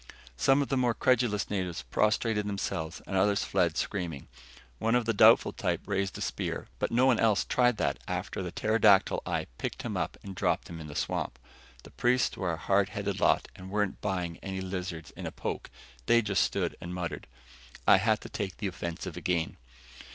Some of the more credulous natives prostrated themselves and others fled screaming. One doubtful type raised a spear, but no one else tried that after the pterodactyl eye picked him up and dropped him in the swamp. The priests were a hard headed lot and weren't buying any lizards in a poke; they just stood and muttered. I had to take the offensive again.